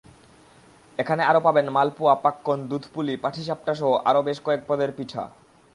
এখানে আরও পাবেন মালপোয়া, পাক্কন, দুধপুলি, পাটিসাপটাসহ আরও বেশ কয়েক পদের পিঠা।